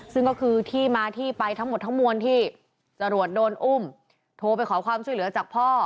ซึ่งก็คือที่มาที่ไปทั้งหมดทั้งมวลที่จรวดโดนอุ้มโทรไปขอความช่วยเหลือจากพ่อ